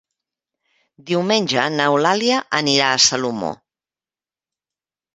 Diumenge n'Eulàlia anirà a Salomó.